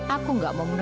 aku juga punya zairah